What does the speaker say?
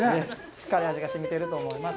しっかり味がしみてると思います。